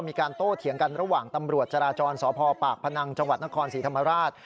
มีการโตเถียงกันระหว่างตำรวจจราจรสภปากพนังจนครศรีธรรมราช